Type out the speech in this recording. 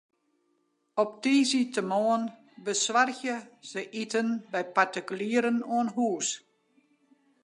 Op tiisdeitemoarn besoargje se iten by partikulieren oan hûs.